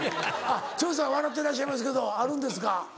長州さん笑ってらっしゃいますけどあるんですか？